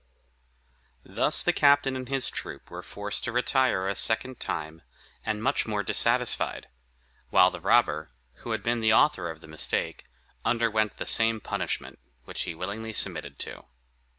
Thus the captain and his troop were forced to retire a second time, and much more dissatisfied; while the robber, who had been the author of the mistake, underwent the same punishment, which he willingly submitted to.